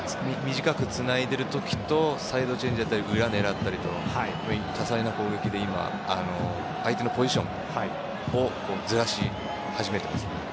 短くつないでいるときとサイドチェンジで裏を狙ったりと多彩な攻撃で今、相手のポジションをずらし始めています。